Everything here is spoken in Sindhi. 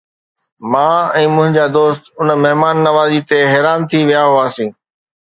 مان ۽ منهنجا دوست ان مهمان نوازي تي حيران ٿي ويا هئاسين.